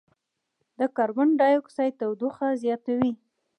د کاربن ډای اکسایډ تودوخه زیاتوي.